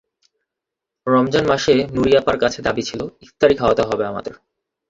রমজান মাসে নূরী আপার কাছে দাবি ছিল, ইফতারি খাওয়াতে হবে আমাদের।